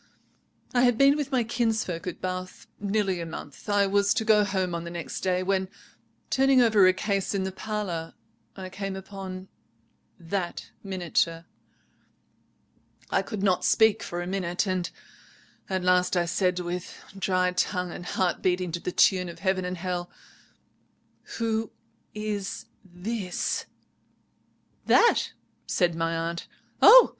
"I had been with my kinsfolk at Bath nearly a month. I was to go home on the next day, when, turning over a case in the parlour, I came upon that miniature. I could not speak for a minute. At last I said, with dry tongue, and heart beating to the tune of heaven and hell— "'Who is this?' "'That?' said my aunt. 'Oh!